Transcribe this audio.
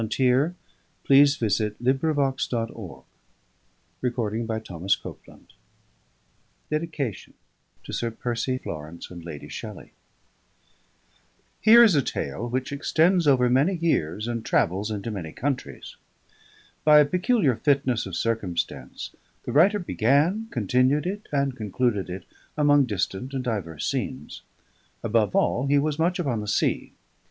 THE JOURNEY IN THE WILDERNESS (continued) 238 THE MASTER OF BALLANTRAE TO SIR PERCY FLORENCE AND LADY SHELLEY _Here is a tale which extends over many years and travels into many countries. By a peculiar fitness of circumstance the writer began, continued it, and concluded it among distant and diverse scenes. Above all, he was much upon the sea.